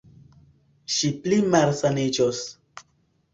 Ŝi pli malsaniĝos.